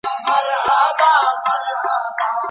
واعظان بايد د کورني نظام په اړه وعظ وکړي.